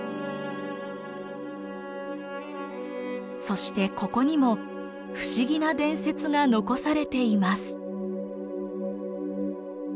そしてここにも不思議な伝説が残されています。